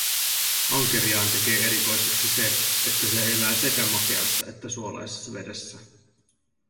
Ankeriaan tekee erikoiseksi se, että se elää sekä makeassa että suolaisessa vedessä.